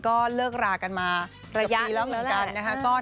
ก็เลิกรากันมาปีนานแล้วเหมือนกัน